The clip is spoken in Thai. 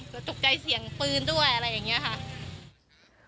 ก็ตกใจเสียงปืนด้วยอะไรอย่างนี้ค่ะ